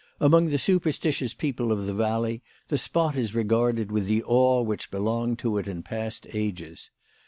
Among the superstitious people of the valley the spot is regarded with the awe which belonged to it in past ages.